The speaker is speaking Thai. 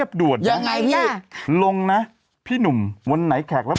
ประมาณนี้นะครับ